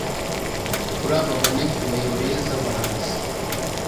Kuri aba banyacyubahiro beza ba Nasse